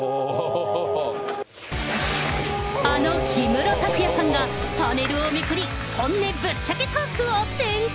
あの木村拓哉さんが、パネルをめくり、本音ぶっちゃけトークを展開。